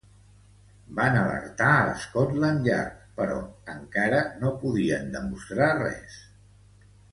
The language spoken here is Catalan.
Van alertar a Scotland Yard, però encara no podien demostrar res.